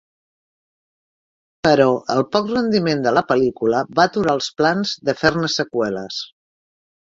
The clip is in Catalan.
Però el poc rendiment de la pel·lícula va aturar els plans de fer-ne seqüeles.